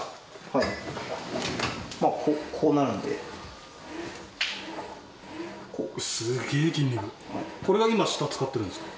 はいまあこうなるんですげえ筋肉これが今下使ってるんですか？